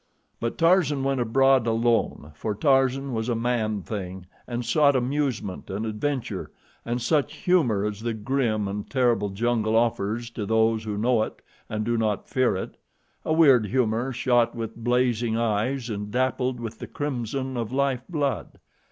But Tarzan went abroad alone, for Tarzan was a man thing and sought amusement and adventure and such humor as the grim and terrible jungle offers to those who know it and do not fear it a weird humor shot with blazing eyes and dappled with the crimson of lifeblood.